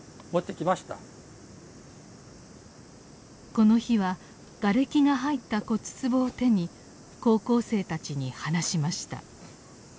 この日はがれきが入った骨つぼを手に高校生たちに話しました。